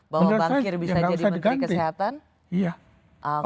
bahwa bangkir bisa jadi menteri kesehatan